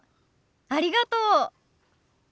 ありがとう。